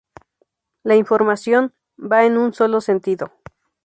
La información va en un solo sentido.